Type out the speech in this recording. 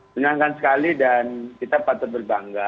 menyenangkan sekali dan kita patut berbangga